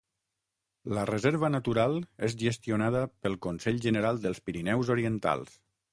La reserva natural és gestionada pel Consell general dels Pirineus Orientals.